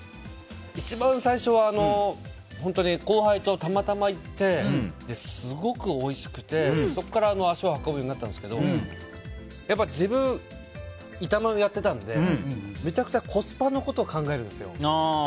一番最初は、本当に後輩とたまたま行ってすごくおいしくて、そこから足を運ぶようになったんですけど自分、板前をやってたのでめちゃくちゃコスパのことを考えるんですよ。